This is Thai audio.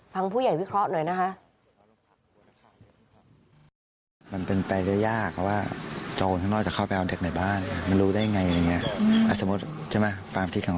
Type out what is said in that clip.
ฟังผู้ใหญ่วิเคราะห์หน่อยนะคะ